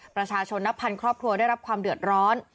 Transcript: ประชาชนนับพันครอบครัวได้รับความเดือดร้อน